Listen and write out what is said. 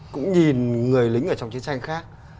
cũng nhìn người lính ở trong chiến tranh khác